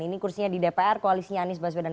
ini kursinya di dpr koalisinya anies baswedan